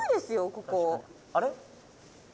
ここあれ？